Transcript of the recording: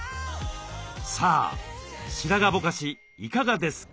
さあ白髪ぼかしいかがですか？